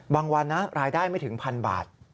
วันนะรายได้ไม่ถึงพันบาท